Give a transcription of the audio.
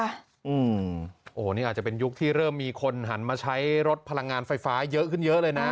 โอ้โหนี่อาจจะเป็นยุคที่เริ่มมีคนหันมาใช้รถพลังงานไฟฟ้าเยอะขึ้นเยอะเลยนะ